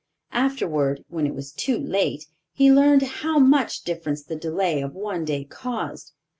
Afterward, when it was too late, he learned how much difference the delay of one day caused.